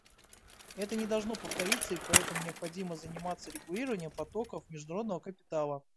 Это не должно повториться, и поэтому необходимо заниматься регулированием потоков международного капитала.